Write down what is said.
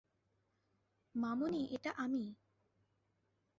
মামুনি, এটা আমি।